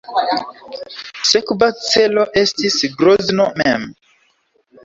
Sekva celo estis Grozno mem.